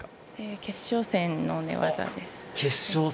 決勝戦の寝技です。